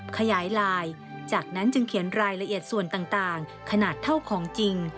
ขยายลายจากนั้นจึงเขียนรายละเอียดส่วนต่างขนาดเท่าของจริง